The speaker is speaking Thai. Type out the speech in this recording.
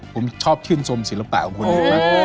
ผมชอบชื่นชมศิลปะของคนอื่นมากกว่า